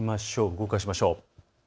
動かしましょう。